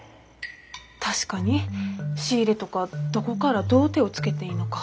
確かに仕入れとかどこからどう手をつけていいのか。